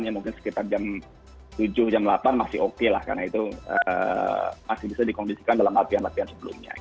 ya mungkin sekitar jam tujuh jam delapan masih oke lah karena itu masih bisa dikondisikan dalam latihan latihan sebelumnya